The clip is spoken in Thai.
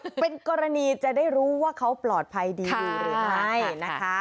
เป็นกรณีจะได้รู้ว่าเขาปลอดภัยดีอยู่หรือไม่นะคะ